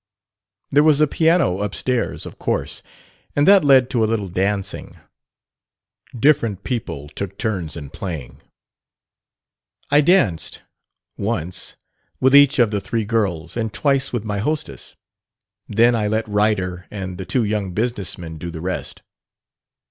There was a piano up stairs, of course, and that led to a little dancing. Different people took turns in playing. I danced once with each of the three girls, and twice with my hostess; then I let Ryder and the two young business men do the rest.